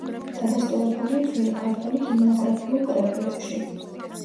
დადასტურებულია ძველი ქართული ჰიმნოგრაფიულ კრებულებში.